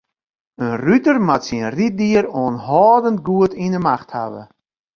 In ruter moat syn ryddier oanhâldend goed yn 'e macht hawwe.